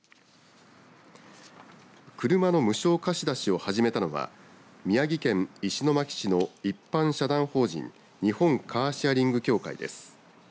車の無償貸し出しを始めたのは宮城県石巻市の一般社団法人日本カーシェアリング協会です。